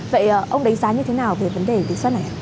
vậy ông đánh giá như thế nào về vấn đề lý do này ạ